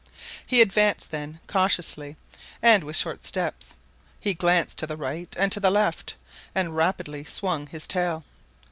He advanced then cautiously, and with short steps. He glanced to the right and to the left, and rapidly swung his tail.